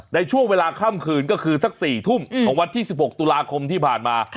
ในช่วงเวลาค่ำคืนก็คือสัก๔ทุ่มของวันที่๑๖ตุลาคมที่ผ่านมา